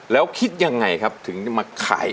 แล้วคิดยังไงครับถึงจะมาขาย